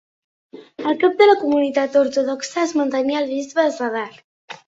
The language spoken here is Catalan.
Al cap de la comunitat ortodoxa es mantenia el bisbe de Zadar.